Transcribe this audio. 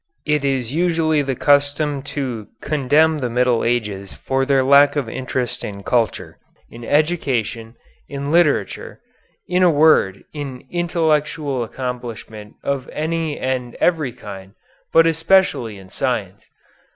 It is usually the custom to contemn the Middle Ages for their lack of interest in culture, in education, in literature, in a word, in intellectual accomplishment of any and every kind, but especially in science.